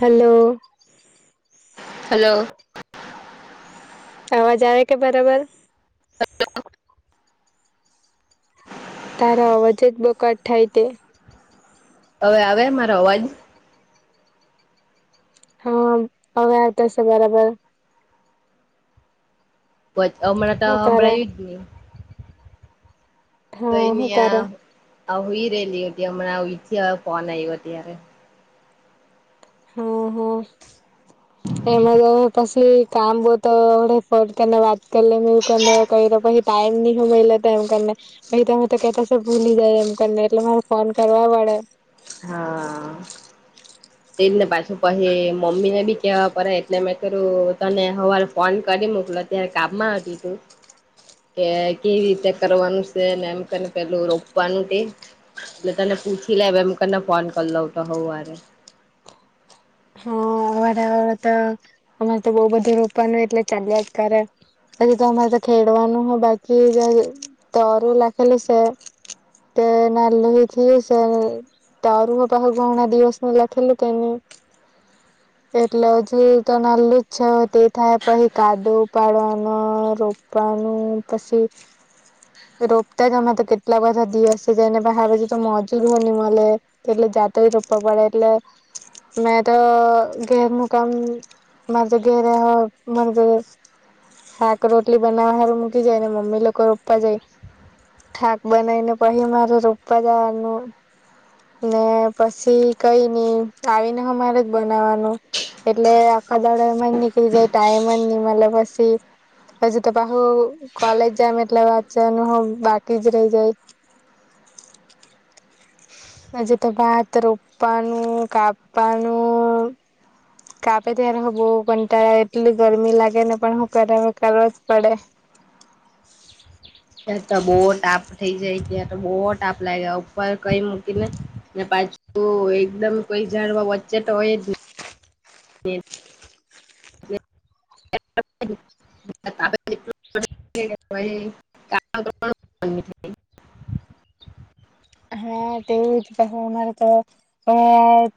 Hello. Hello અવાજ આવે કે બરાબલ? તારો અવાજ જ બહુ કટ થાય તે. હવે આવે મારો અવાજ? હા, આવતા સે બરાબર. બ હમણાં તો હું કરે હમળં જ નહી. કઈ હા, હું નહી આ કરે? આ હુઈ રેલી હતી હમણાં હુઈ થીં હવે ફોન આવ્યો ત્યારે. હો, હો. એમાં તો પસી કામ બહુ તોડે પર તને વાત તે લોગ ને એવું કર ને કઈ લોકો હિત ટાઈમ નહી હુહેલે તો એમ કરને પ તો હ તો કેતા ભૂલી જાય એમને એટલે મારે ફોન કરવાડે [unintelligible] હા એજને પાછું પછી મમ્મીને બી કેવા પર હે એટલે મેં કર્યું તને હવારે ફોન ગાડી મોકલો ત્યારે કામમાં હતી તું. કે કેવી રીતે કરવાનું છે ને એમ કરીને પેલું રોપવાનું તે એટલે તને પૂછી લે [unintelligible] ફોન કરી લઉં તો હઉ હારે હા હવાર હવાર માં તો અમારે તો બહું બધું રોપનું હોય એટલે ચાલ્યા જ કરે. હજી તો અમારે તો ખેડવાનું હો બાકી જે તારું લખેલુ સે. તે ના લી થ છે ત અર હો પાખ ઘ હણા દિવસ ન લખેલે તેને એટલે હજુ તો નલલું જ છે તે થાય પછી કાદુ ઉપાડવાનો રો પણનું પછી રોપતા જમા તો કેટલા બધા દિવસે જાય ને બા પછી તો મજૂર હોય ને મળે એટલે તો રોપવા પડે એટલે મેં તો ગેર મુકામ માજ ગેરે હો માગ શાક રોટલી બનાવવા સારું મૂકી જાય ને મમ્મી લોકો રોપવા જાય થાક બનાવી ને પછી માર રોપવા જવાનું ને પછી કઈ નઈ આવીને અમારે જ બનાવાનું એટલે આખા દાડ એમાં જ નીકળી જાય ટા એમ જ મ પછી હજુ તો બા હુ કોલેજ જમ એટલે વાત છે હું બાકી જ રહી જાય [unintelligible] હજ તો ભત રોપવાનું કાપવાનું કાપે ત્યારે હ બ પણ ત એટલી ગરમી લાગે ને પણ હું કર કરવો જ પડે [unintelligible] ત તો બહુ તાપ થઇ જાય ત્યાં તો બહુ તાપ લાગે ઉપર કઈ મૂકીને ને પાછું એકદમ કઈ જાણવા વચ્ચે તો હોય જ ન [inaudible] ફલ મિઠાઈ [inaudible] હા તેવું જ ઉ માર તો અ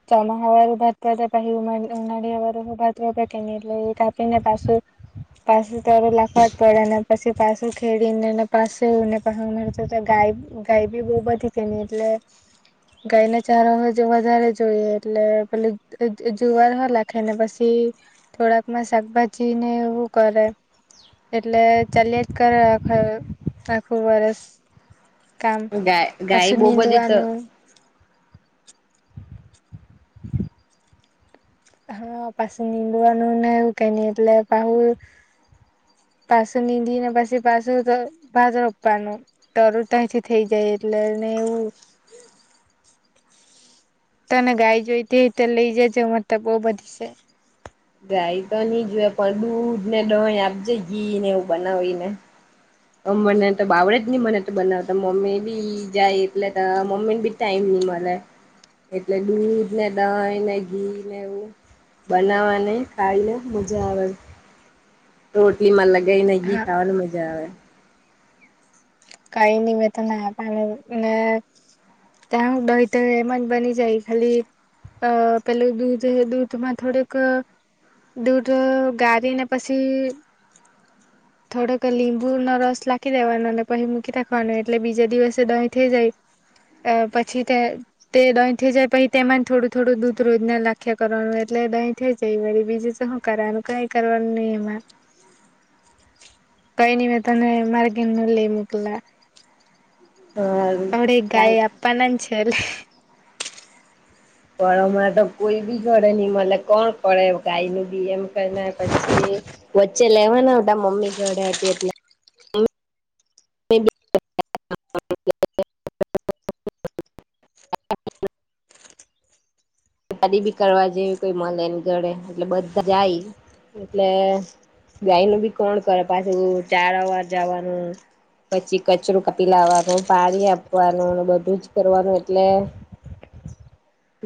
ચોમા હવાભ પાહી ઉ ળ ભા એટલે એ કાપીને પા પાુંું લખવા જ પડેને પછી પાસે ખેડીને એ પાસેને પા મળતો ગાય ગાય બી બહુ ખ બધી છેની એટલે ગાયને ચારો હો જે વધારે જોઈએ એટલે પે જુવાર હો લખે ને પછી થોડાક માં શાકભાજી ને એવું કરે એટલે ચલીએ જ કરો આખુ આખું વર્ષ- ગાય ગાય બહુ બધી તો [inaudible] હા પાસેની બુંવાનુંને ઉ કેની પલે પહુ પાછું નીંધી ને પછી પાસું તો ભાત રોપવાનું તર તથી થઈ જાય એટલે ન એવ તને ગાય જોઈતી તો લઈ જજો મતલબ બહૂ બધી છે ગાય તો નહી જો પણ દૂધ ને દહી આપજે ઘી ને એવું બનાવી ને અમ્ મને તો બડે જ નહી મને તો બનાવતા મમ્મી બી જાય એટલે મમ્મી ને બી ટાઈમ ન મળે એટલે દૂધ ને દહી ને ઘી નેું બનાવાની કલે મજા આવે રોટલીમાં લગાવને ઘી હા ખાવાનું મજા આવે કઈ નહી મેં તો ના પા મેને ત્યાંબહી તો એમ જ બની જાય ખાલી અ પેલું દૂધ દૂધમાં થોડક દૂધ ગારી ને પછી થોડોક લીંબુનો રસ લખી દેવાનો અને પછી મૂકી નાખવાનું એટલે બીજા દિવસે દહીં થઈ જાય પછી તે દોઈ થઈ જાય પછી તેમાં થોડું થોડું દૂધ રોજ ને લખ્યા કરવાનું એટલે હી થઈ જ બીજું તો શું કરવાનું કઈ કરવાનું નહી એમાં કઈ ન મે તને મારેગ લ મકલા હારું અડ ચાલ ગાય આપના છેલે ફળમાં તો કોઈ બી ઘે નઈ મતલે કોણ કરે ગાય નું ી એમ કરના પછી વચ્ચે લેવાના આવ મમ્મી ઘડે એટલે [unintelligible] દી બી કરવા જેવી કોઈ મળે, ઘળે, એટલે બધા જાય એટલે. ગાય ન બી કોણ કરે? પાછું ચાર અવાર જવાનું. પછી કચરું કાપી લાવવાનું, પાણી આપવાનું બધું જ કરવાનું એટલે.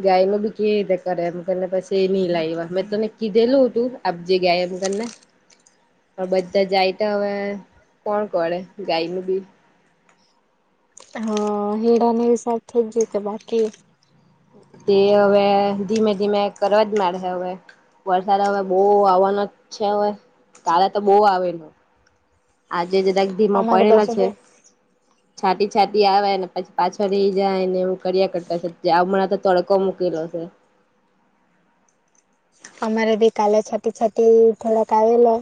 ગાય ન બી કેવી રીતે કરે? એમને પછી એ નહીં લાવવા. મેં તને કીધેલું હતું આપ જે ગાય. [unintelligible] પણ બધા જાય તો હવે કોણ કરે ગાયનું બી. હા, હેડાને હિસાબ ખે જજ તો બાકી તે હવે ધીમે ધીમે કરવા જ માડશે, હવે વરસાદ હવે બહુ આવવાનો. છે હવે કાલે તો બહુ આવેને? આજે જરાક ધીમા અમારે પડેલા બાજુ છે. છાંટી-છાંટી આવે ને પછી પાછળ રહી જાય ને. એ કર્યા કરતા હમણાં તો તડકો મૂકેલો. [unintelligible] [unintelligible] અમારે ભી કાલે છાટી-છાટી થોડોક આવેલો.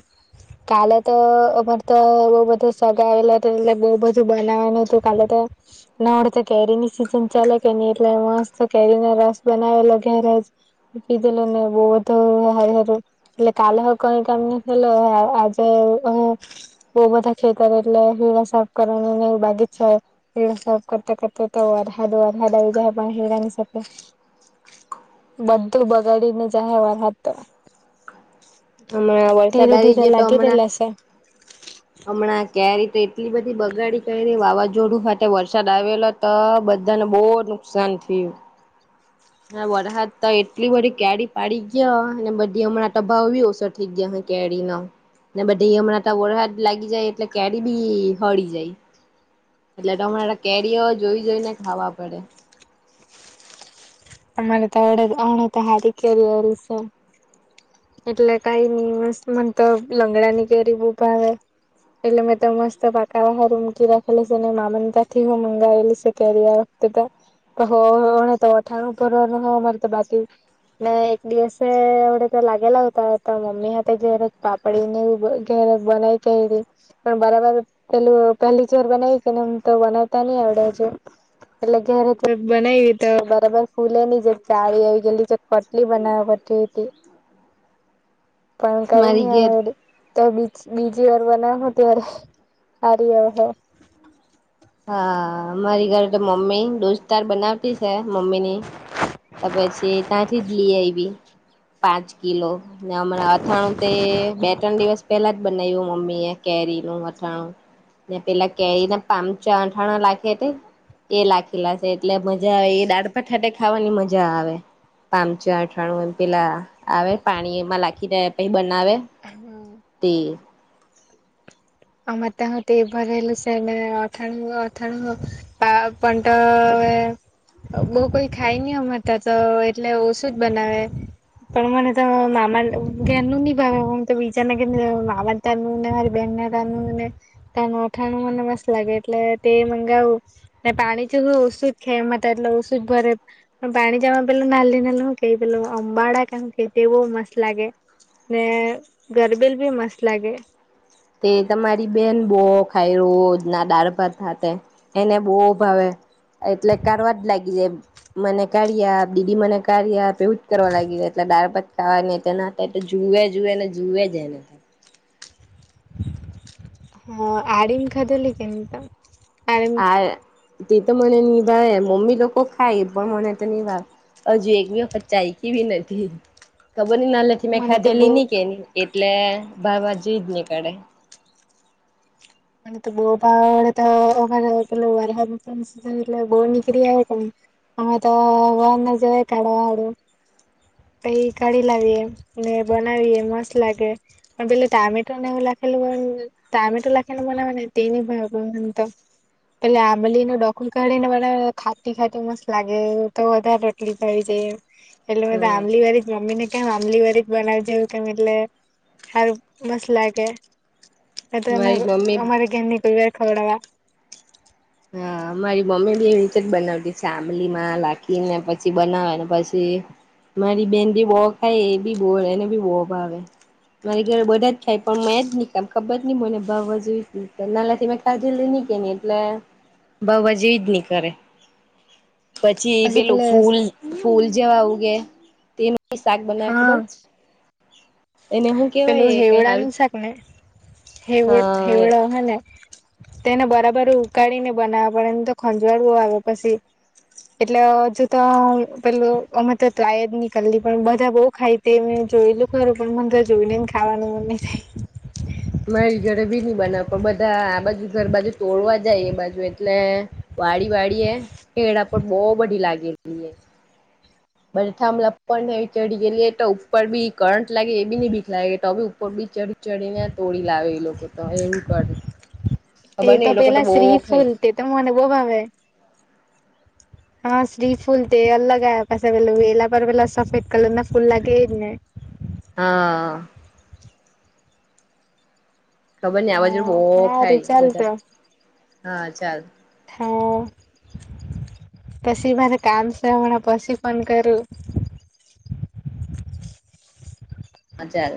કાલે તો અમાર તો બઉ બધુ સગાવેલા હતા, એટલે બઉ બધું બનાવાનું હતું કાલે તો ના, વળી તો કેરીની સિઝન ચાલે કે નહીં, એટલે તો કેરીનો રસ બનાવેલો ઘરેજ. કીધું લને બહુ જ તો હલો, એટલે કાલે હલો કઈ કામ આજે. બહુ બંધા ખેતર, એટલે હીડા સાફ કરવાને બાગી જ હીડા સાફ કરતા કરતા. વરસાદ આવી જે, પણ હીરાની સાથે બધું બગાડીને, જા હે વરસાદ. તો હમણાં વરસાદ ધીરે આવી ધીરે ગયો, તો લાગી હમણાં રહેલા છે હમણાં કેરી તો એટલી બધી બગાડી કરી, વાવાઝોડું સાથે વરસાદ આવેલો તો બધાને બહુ નુકસાન થયું. હા, વરસાદ તો એટલી બધી કેરી પાડી ગયા અને બધી હમણાં ભાવ બી ઓછા થઈ ગયા. કેરીનો બધી હમણાં વરસાદ લાગી જાય એટલે કેરી બી હળી જાય. એટલે તમારે કેરીઓ જોઈ જોઈને ખાવા પડે. [unintelligible] એટલે કંઈ નઈ બસ મનતો લંગડાની કેરી બૂ ભાવે. એટલે મેં તો મસ્ત પાકાવા મુકી રાખેલી છે ને મામાના ત્યાંથી હું મંગાવેલી છે કેરીઓ. [unintelligible] મારે તો બાકી ના, એક દિવસ હવે તો લાગેલા હોતા તો મમ્મી હાથે જે પાપડી ને ઉભા બનાવી કે પણ બરાબર. પેલું પહેલી જ વાર બનાવી કે, તો બનાવતા નહીં આવડે. એટલે ક્યારે બનાવી તો બરાબર. ફૂલેની [unintelligible] પણ કઈ મારી નહીં ઘેર હવે. તો બીજી વાર બનાવો હો, ત્યારે હારી થશે. હા, મારી ઘરે તો મમ્મી દોસ્તાર બનાવતી છે મમ્મી ની. તો પછી ત્યાંથી જ લઈ આવી પાંચ કિલો. ના, હમણાં અથાણું તે બે ત્રણ દિવસ પહેલા જ બનાવ્યું. મમ્મીએ કેરીનુ અથાણું ને પેલા કેરી ના પામચ અથાણું નાખે તે એ લખેલા છે એટલે મજા આવે એ દાળ-ભાત સાથે ખાવાની મજા. મજા આવે પામચ અથાણું. એમા પેલા આવે પાણીમાં નાખીને આવે તે. આમ તે એ ભરેલું સે, એને અથાણું અથાણું તો તો હવે. બહુ કોઈ ખાઈ નહીં, અમારતા તો એટલે ઓછું જ બનાવે. પણ મને તો મામાનું ઘેરનુ ની ભાવે અને બીજાના ઘરનું ભાવે મામાતા નું નહીં. તાનું મને, તાનું અથાણું મને મસ્ત લાગે એટલે તે મંગાવું ને પાણી ચુંહુ. [unintelligible] પણ પાણી જવાનું પેલું નાનલુ નાનલુ હું કહે, પેલું અંબાડા કે હું? કે તે બહુ મસ્ત લાગે ને ગરબેલ બી મસ્ત લાગે. એ તમારી બેન બો ખાઈ રોજ દાળ ભાત હાથે, એને બો ભાવે. એટલે કાઢવાજ લાગી જાય મને કાઢી આપ, દીદી મને કાઢી આપ, એવું જ કરવા લાગી જાય. દાળ ભાત ખાવા ને તેના હાથે તો જુએ જુએ ને જુવે જ એને. હા, આડિંગ ખાધેલી છે મેં તો આડીમ આ તે તો મને ની ભાવે, મમ્મી લોકો ખાય એ પણ મને તો ની ભાવે. હજુ એક બી વખત ચાયખી બી નથી [unintelligible] [unintelligible] મેં મને તો બહુ ખાધેલી ની કે, એટલે ભાવે જી ની કાઢે. મને તો બહુ ભાવે, મને તો [unintelligible] પેલું વરહાદ ની સિઝન એટલે બહુ નીકળી આવે. અમે તો [unintelligible] કાઢવા લેવ. પહી કાઢી લાવીએ ને બનાવીએ મસ્ત લાગે, પણ પેલું ટામેટુ ને એવું લાખ પેલું આમ ટામેટુ લાંખીને બનાવેને તે નહી ભાવતુ મન તો. પેલી આંબલીનું ડોકલું કાઢી ને બનાવીને ખાટી ખાટી મસ્ત લાગે તો વધારે રોટલી ખવાઈ જાય. કે એટલે મેં તો આમલી વાળી મમ્મી ને કેમ આમલી વારી જ બનાવતી હોય કેમ એટલે સારું મસ્ત લાગે. નહીં તો એમાં મારી ગ મમ્મી અમારા ઘર ની તૈયાર ખવડાવા. હા, મારી મમ્મી બી એવી રીતે જ બનાવતી છે. આમલી માં લાખીને પછી બનાવે ને પછી તે મારી બેંન બી બો ખાય એ બી બો એને બી બો ભાવે. મારી ઘરે બધા જ ખાય પણ મેંજ ની ખાઉ ખબર નહીં મને ભાવવા જો નાલાથી મેં ખાઘેલી નહીં કે એટલે બ જે જ નહી કરે પછી પેલું ફૂલ ફૂલ જેવા ઉગે તેનું શાક બનાવે હા ખબર? એને હું પેલું કેવાય કઈ હેવડાં હારુ નું શક ને હવ અ હેવળો હને તેને બરાબર ઉકાળીને બનાવ પડેને તો ખંજવાડુ આવે પછી. એટલે હજુ તો પેલું અમે તો ત્રાય જ નની કર પણ બધા બઉ ખાય તે જોયલું ખરું પણ મને તો જોઈને ને ખાવાનું મન નહીં થાય. મારી ઘરે બી ની બનાવ પણ બધા આ બાજુ ઘર બાજુ તોડવા જાય એ બાજુ એટલે વાળી વાળી એ ખેળ પણ બહુ બધી લાગેલી હૈ. બધ થામ લપડ ને ચઢી ગયલી તો ઉપર બી કરંટ લાગે એ બી ન બીખ લાગે તો ઉપર બી ચઢ ચડી ને તોડી લાવે એ લોકો તો એવું કરે. તે ખબર ને તો એ લોકો પેલા બહુ શ્રી ખાય ફૂલ તે તો મને બહુ ભાવે. હા સ્ત્રી ફૂલ તે અલગ આવ પાછ પેલ વેલા પર પેલા સફેદ કલર ના ફૂલ લાગે જ ને? હા. ખબર નહીં આ બાજુ હા બહ હારું ખાય ચાલ બધા તો. હા. ચાલ હો. કસી મારે કામ છે હમણાં, પછી ફોન કરું. હા, ચાલ